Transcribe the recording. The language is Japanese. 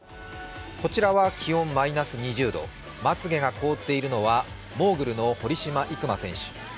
こちらは気温マイナス２０度、まつ毛が凍っているのはモーグルの堀島行真選手。